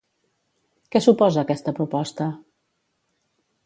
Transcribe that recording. Què suposa aquesta proposta?